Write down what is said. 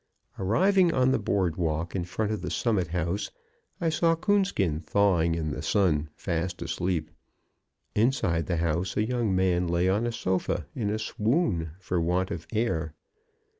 Arriving on the board walk in front of the Summit House I saw Coonskin thawing in the sun, fast asleep. Inside the house a young man lay on a sofa in a swoon, for want of air.